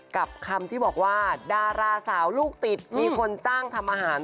กับคำที่บอกว่าดาราสาวลูกติดมีคนจ้างทำอาหาร